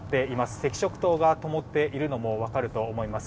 赤色灯がともっているのも分かると思います。